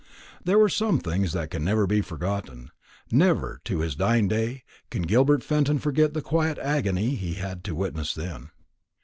There are some things that can never be forgotten. Never, to his dying day, can Gilbert Fenton forget the quiet agony he had to witness then.